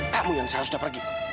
kamu yang seharusnya sudah pergi